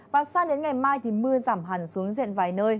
và sang đến ngày mai thì mưa giảm hẳn xuống diện vài nơi